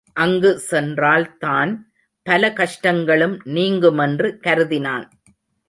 அங்கு சென்றால்தான் பல கஷ்டங்களும் நீங்குமென்று கருதினான்.